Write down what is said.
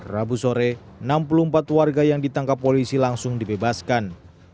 rabu sore enam puluh empat warga yang ditangkap polisi langsung dibebaskan